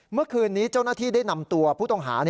เมื่อคืนนี้เจ้าหน้าที่ได้นำตัวผู้ต้องหา